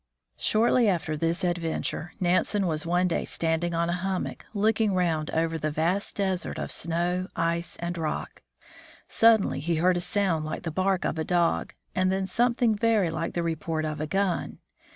Shortly after this adventure, Nansen was one day stand ing on a hummock, looking round over the vast desert of snow, ice, and rock. Suddenly he heard a sound like the bark of a dog, and then something very like the report of a gun.